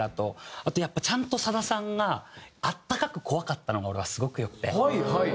あとやっぱちゃんとさださんがあったかく怖かったのが俺はすごくよくて。